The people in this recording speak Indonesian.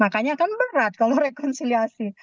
makanya kan berat kalau rekonsiliasi